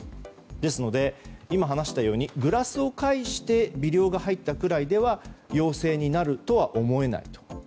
ですので今、話したようにグラスを介して微量が入ったくらいでは陽性になるとは思えないと。